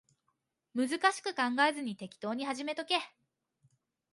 難しく考えずに適当に始めとけ